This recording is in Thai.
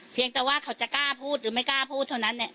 เพียงแต่ว่าเขาจะกล้าพูดหรือไม่กล้าพูดเท่านั้นเนี่ย